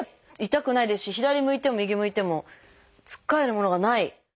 痛くないですし左向いても右向いてもつっかえるものがない。